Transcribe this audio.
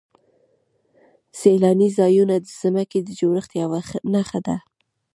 سیلاني ځایونه د ځمکې د جوړښت یوه نښه ده.